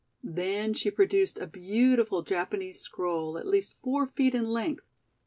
Then she produced a beautiful Japanese scroll at least four feet in length.